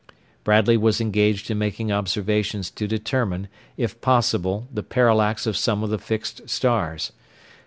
Bradley was engaged in making observations to determine if possible the parallax of some of the fixed stars.